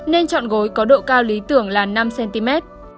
nên chọn gối có độ cao lý tưởng là năm cm